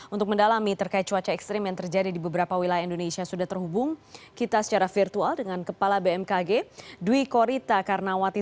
untuk mendalami terkait cuaca ekstrim yang terjadi di beberapa wilayah indonesia sudah terhubung kita secara virtual dengan kepala bmkg dwi korita karnawati